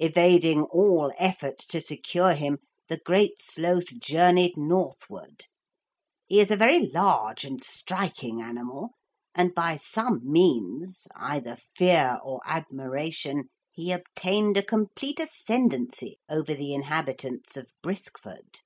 Evading all efforts to secure him, the Great Sloth journeyed northward. He is a very large and striking animal, and by some means, either fear or admiration, he obtained a complete ascendancy over the inhabitants of Briskford.